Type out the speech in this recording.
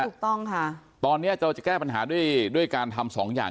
ถูกต้องค่ะตอนนี้เราจะแก้ปัญหาด้วยด้วยการทำสองอย่าง